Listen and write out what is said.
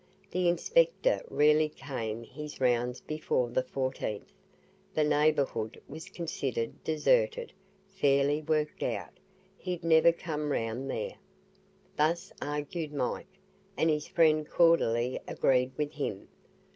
"The inspector rarely came his rounds before the 14th; the neighbourhood was considered deserted fairly 'worked out;' he'd never come round there." Thus argued Mike, and his friend cordially agreed with him.